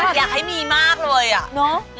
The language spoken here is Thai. แมงคิดอยากให้มีมากเลยเนอะ